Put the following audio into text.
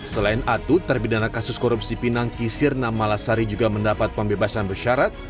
selain atut terbidana kasus korupsi pinang kisir namalasari juga mendapat pembebasan bersyarat